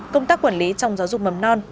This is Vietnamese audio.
công tác quản lý trong giáo dục mầm non